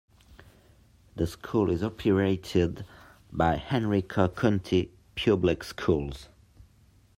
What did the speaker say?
The school is operated by Henrico County Public Schools.